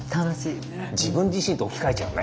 自分自身と置き換えちゃうね。